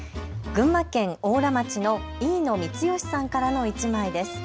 群馬県邑楽町の飯野充良さんからの１枚です。